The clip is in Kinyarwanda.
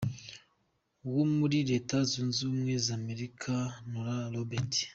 wo muri Leta Zunze Ubumwe za Amerika, Nora Roberts.